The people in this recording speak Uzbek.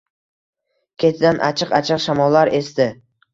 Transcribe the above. Ketidan achchiq-achchiq shamollar esdi.